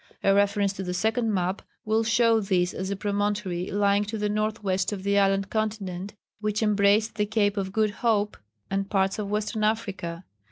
A reference to the second map will show this as a promontory lying to the north west of the island continent which embraced the Cape of Good Hope and parts of western Africa.